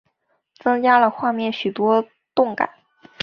增加了画面许多动感